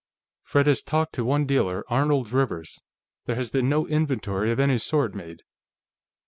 "Fred has talked to one dealer, Arnold Rivers. There has been no inventory of any sort made."